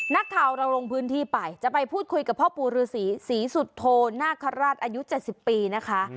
นักข่าวเราลงพื้นที่ไปจะไปพูดคุยกับพ่อปู่ฤษีศรีศรีสุโธนาคาราชอายุ๗๐ปีนะคะ